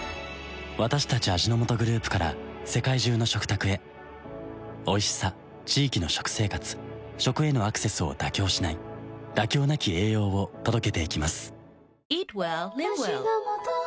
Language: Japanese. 私たち味の素グループから世界中の食卓へおいしさ地域の食生活食へのアクセスを妥協しない「妥協なき栄養」を届けていきます